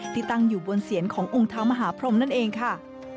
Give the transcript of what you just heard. ตั้งอยู่บนเสียนขององค์เท้ามหาพรมนั่นเองค่ะ